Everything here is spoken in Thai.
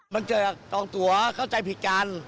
มันเจอกับจองตั๋วเขาใจผิดกัน